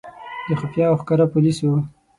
د خفیه او ښکاره پولیسو.